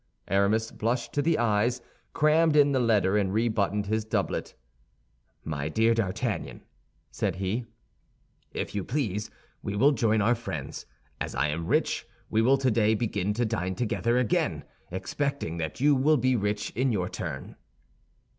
Aramis blushed to the eyes, crammed in the letter, and re buttoned his doublet. "My dear D'Artagnan," said he, "if you please, we will join our friends; as I am rich, we will today begin to dine together again, expecting that you will be rich in your turn."